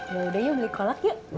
yaudah yuk beli kolak ya